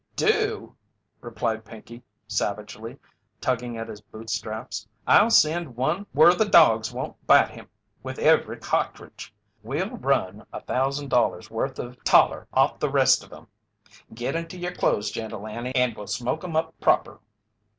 "Do?" replied Pinkey, savagely, tugging at his boot straps. "I'll send one whur the dogs won't bite him with every ca'tridge. We'll run a thousand dollars' worth of taller off the rest of 'em. Git into your clothes, Gentle Annie, and we'll smoke 'em up proper."